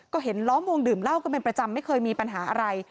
ก็เห็นล้อมวงดื่มเหล้ากันเป็นประจำไม่เคยมีปัญหาอะไร